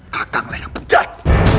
kakaklah yang pecah